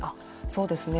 そうですね。